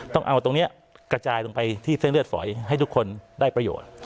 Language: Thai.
ต้องเอาตรงนี้กระจายลงไปที่เส้นเลือดฝอยให้ทุกคนได้ประโยชน์